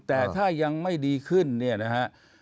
แต่ถ้ายังไม่ดีขึ้นเนี่ยนะฮะ